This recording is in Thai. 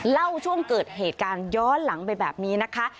เล่าช่วงเกิดเหตุการณ์ย้อนหลังไปแบบนี้นะคะ